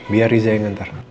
biar riza yang ntar